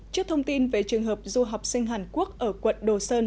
trước thông tin về trường hợp du học sinh hàn quốc ở quận đồ sơn